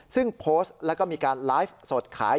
ซึ่งโพสต์แล้วก็มีการไลฟ์สดขาย